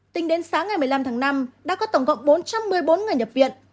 tính đến sáng ngày một mươi năm tháng năm đã có tổng cộng bốn trăm một mươi bốn người nhập viện